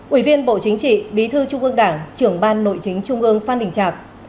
ủy viên bộ chính trị bí thư trung ương đảng trưởng ban nội chính trung ương phan đình trạc